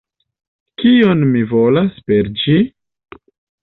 Kion mi volas per ĝi?